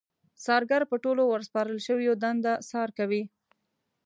څارګر په ټولو ورسپارل شويو دنده څار کوي.